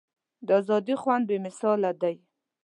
د ازادۍ خوند بې مثاله دی.